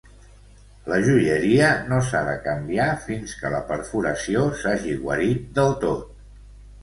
La joieria no s'ha de canviar fins que la perforació s'hagi guarit del tot.